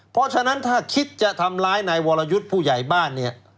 เพราะฉะนั้นถ้าคิดจะทำร้ายนายวรยุทธ์ผู้ใหญ่บ้านเนี่ย